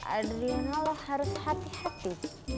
adlian allah harus hati hati